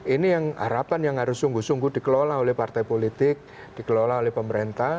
ini yang harapan yang harus sungguh sungguh dikelola oleh partai politik dikelola oleh pemerintah